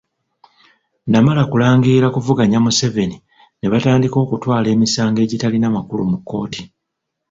Namala kulangirira kuvuganya Museveni ne batandika okutwala emisango egitalina makulu mu kkooti.